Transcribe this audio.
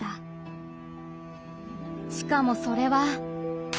しかもそれは。